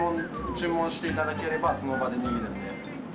注文して頂ければその場で握るんで。